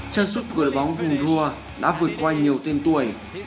chân sút của đội bóng vùng thua đã vượt qua nhiều tiên tuổi